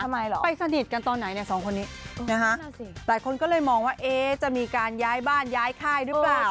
ไปสนิทกันตอนไหนเนี่ยสองคนนี้นะฮะหลายคนก็เลยมองว่าเอ๊ะจะมีการย้ายบ้านย้ายค่ายหรือเปล่า